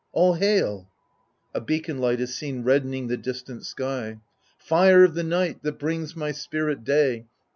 All hail ! [A beacon light is seen reddening the distant sky. Fire of the night, that brings my spirit day.